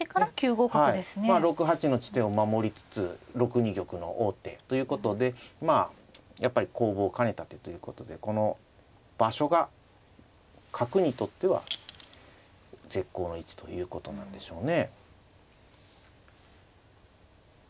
６八の地点を守りつつ６二玉の王手ということでまあやっぱり攻防を兼ねた手ということでこの場所が角にとっては絶好の位置ということなんでしょうね。